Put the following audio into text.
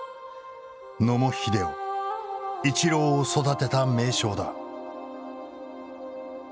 野茂英雄イチローを育てた名将だ。